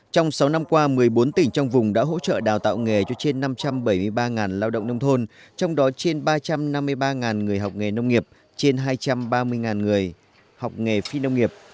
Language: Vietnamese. trong sáu năm qua một mươi bốn tỉnh trong vùng đã hỗ trợ đào tạo nghề cho trên năm trăm bảy mươi ba lao động nông thôn trong đó trên ba trăm năm mươi ba người học nghề nông nghiệp trên hai trăm ba mươi người học nghề phi nông nghiệp